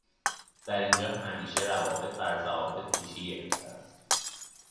در اینجا همیشه روابط بر ضوابط پیشی گرفته است